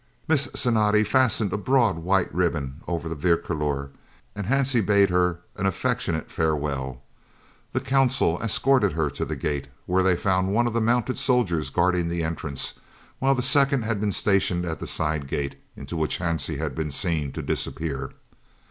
Miss Cinatti fastened a broad white ribbon over the "Vierkleur," and Hansie bade her an affectionate farewell. The Consul escorted her to the gate, where they found one of the mounted soldiers guarding the entrance, while the second had been stationed at the side gate into which Hansie had been seen to disappear.